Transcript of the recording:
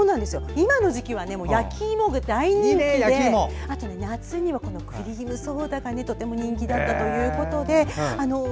今の時期は焼き芋が大人気で夏にはクリームソーダがとても人気だったということで。